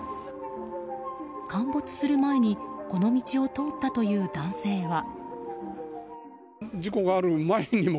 陥没する前にこの道を通ったという男性は。